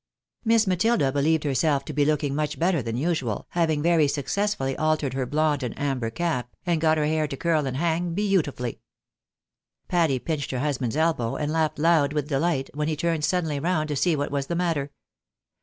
Miss Matilda beheved herself to be looking much better than usual, having very successfully altered her blond and JVIKS. BAENABYS WARDROBE EXAMINED. 95 amber cap, and goj; lier hair to curl and hang heautifully . Patty pinched her husband's elbow, and laughed loud with delight, when he turned suddenly round to see what was the matter.